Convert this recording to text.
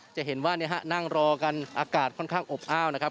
จะเห็นว่านั่งรอกันอากาศค่อนข้างอบอ้าวนะครับ